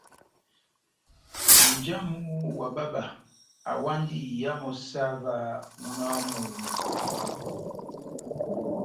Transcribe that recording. Nja wamu wa bába awandi iya mɔ́ saha múna wa momó.